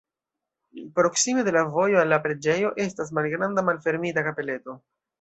Proksime de vojo al la preĝejo estas malgranda malfermita kapeleto.